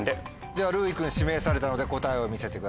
ではるうい君指名されたので答えを見せてください。